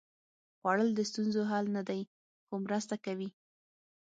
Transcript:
خوړل د ستونزو حل نه دی، خو مرسته کوي